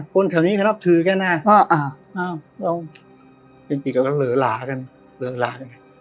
คนแถวนี้ก็นับถือแก้น่ะอ่ะเจ็ดตลงเวลาก็เลย